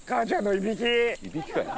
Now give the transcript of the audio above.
いびきかよ。